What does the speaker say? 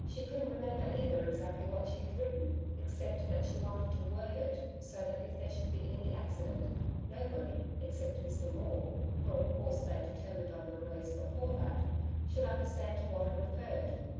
She couldn't remember either exactly what she had written except that she wanted to word it so that if there should be any accident, nobody except Mr Maule, for of course, they'd determined on the release before that should understand to what it referred.